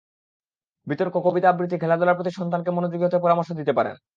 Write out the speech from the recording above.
বিতর্ক, কবিতা আবৃত্তি, খেলাধুলার প্রতি সন্তানকে মনোযোগী হতে পরামর্শ দিতে পারেন।